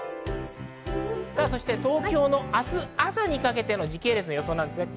そして東京の明日朝にかけての時系列の予想です。